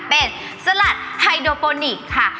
เป็นสลัดไฮโดโปนิกค่ะ